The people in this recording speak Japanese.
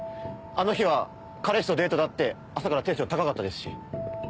あの日は彼氏とデートだって朝からテンション高かったですし。